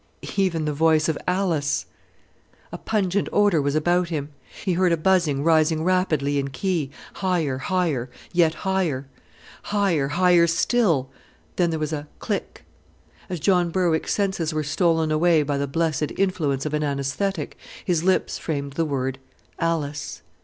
Even the voice of Alice ... A pungent odour was about him. He heard a buzzing rising rapidly in key, higher higher yet higher; higher higher still; then there was a "click." As John Berwick's senses were stolen away by the blessed influence of an anæsthetic his lips framed the word "Alice."